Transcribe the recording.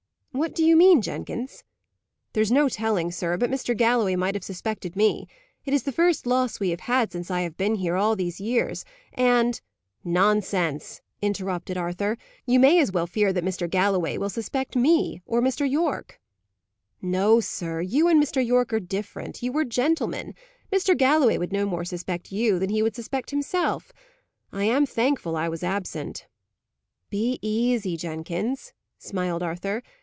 "What do you mean, Jenkins?" "There's no telling, sir, but Mr. Galloway might have suspected me. It is the first loss we have had since I have been here, all these years; and " "Nonsense!" interrupted Arthur. "You may as well fear that Mr. Galloway will suspect me, or Mr. Yorke." "No, sir, you and Mr. Yorke are different; you are gentlemen. Mr. Galloway would no more suspect you, than he would suspect himself. I am thankful I was absent." "Be easy, Jenkins," smiled Arthur.